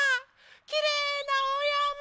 きれいなおやま！